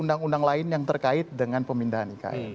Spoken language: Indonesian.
undang undang lain yang terkait dengan pemindahan ikn